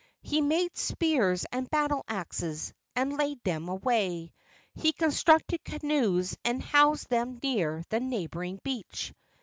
He made spears and battle axes, and laid them away; he constructed canoes and housed them near the neighboring beach.